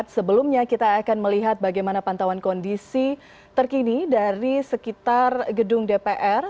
sebelumnya kita akan melihat bagaimana pantauan kondisi terkini dari sekitar gedung dpr